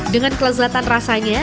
dengan kelezatan rasanya